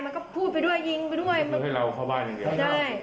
มันก็พูดไปด้วยยิงไปด้วยมันให้เราเข้าบ้านอย่างเดียวไม่ได้